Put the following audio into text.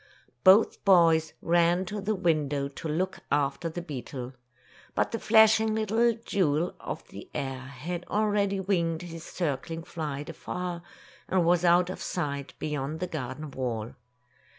Both boys ran to the window to look after the beetle. But the flashing little jewel of the air had already winged his circling flight afar, and was out of sight, beyond the garden wall.